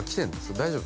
大丈夫？